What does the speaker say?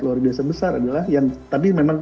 luar biasa besar adalah yang tapi memang